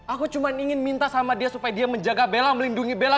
aku cuma ingin minta sama dia supaya dia menjaga bella melindungi bella